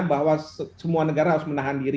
bahwa semua negara harus menahan diri